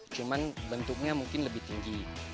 cuman bentuknya mungkin lebih tinggi